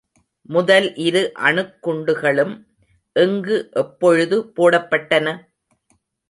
முதல் இரு அணுக்குண்டுகளும் எங்கு எப்பொழுது போடப்பட்டன?